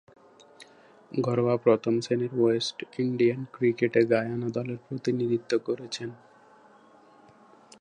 ঘরোয়া প্রথম-শ্রেণীর West Indian ক্রিকেটে গায়ানা দলের প্রতিনিধিত্ব করেছেন।